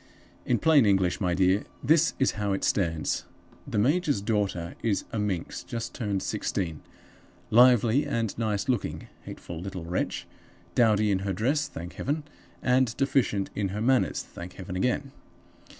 "In plain English, my dear, this is how it stands. The major's daughter is a minx just turned sixteen; lively and nice looking (hateful little wretch!), dowdy in her dress (thank Heaven!) and deficient in her manners (thank Heaven again!).